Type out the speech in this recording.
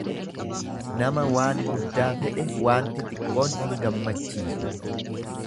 Nama waan guddaa fedhe waanti xiqqoon hin gammachiisu.